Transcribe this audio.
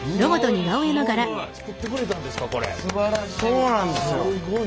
そうなんですよ。